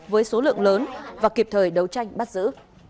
với số lượng lớn và kịp thời đấu tranh bắt giữ